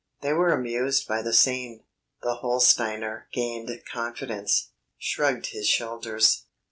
They were amused by the scene. The Holsteiner gained confidence, shrugged his shoulders.